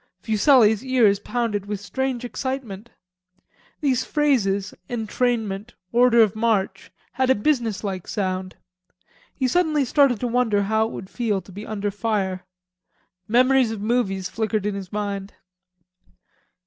Fuselli's ears pounded with strange excitement. These phrases, "entrainment," "order of march," had a businesslike sound. He suddenly started to wonder how it would feel to be under fire. Memories of movies flickered in his mind.